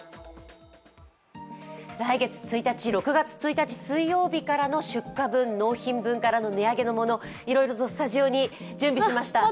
来月１日、６月１日水曜日からの出荷分、納品分の値上げのもの、いろいろとスタジオに準備しました。